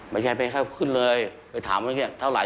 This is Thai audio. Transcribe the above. ไม่ใช่ไปขึ้นเลยไปถามว่าเท่าไร